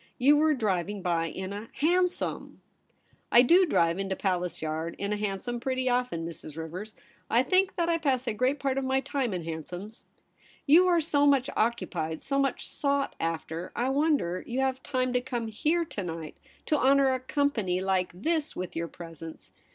* You were driving by in a hanso7n! 8—2 ii6 THE REBEL ROSE. * I do drive into Palace Yard in a hansom pretty often, Mrs. Rivers. I think that I pass a great part of my time in hansoms.' * You are so much occupied, so much sought after, I wonder you have time to come here to night, to honour a company Hke this with your presence.